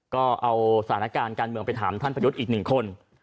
ก็เอาสถานการณ์การเมืองไปถามท่านประยุทธ์อีกหนึ่งคน